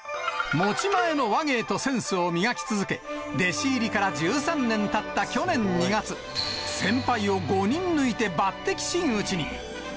持ち前の話芸とセンスを磨き続け、弟子入りから１３年たった去年２月、先輩を５人抜いて抜擢真打に。